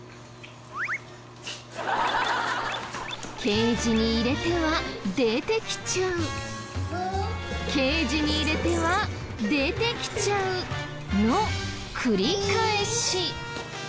ケージに入れては出てきちゃうケージに入れては出てきちゃうの繰り返し。